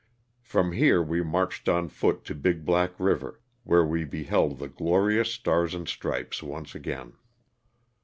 From here we marched on foot to Big Black river, where we beheld the glorious stars and stripes once again.